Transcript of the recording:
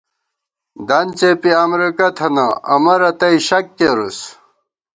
دن څېپی امرېکہ تھنہ امہ رتئ شک کېرُس